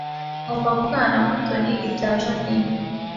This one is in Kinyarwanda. Ngomba kuvugana na Mutoni ibya Jeaninne